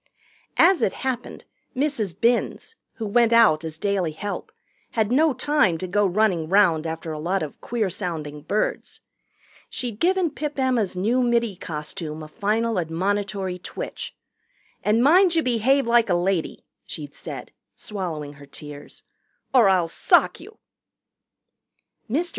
As it happened, Mrs. Binns, who went out as daily help, had no time to go running round after a lot of queer sounding birds. She'd given Pip Emma's new middy costume a final admonitory twitch. "And mind you behave like a lady," she'd said, swallowing her tears, "or I'll sock you." Mr.